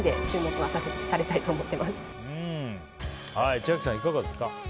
千秋さん、いかがですか？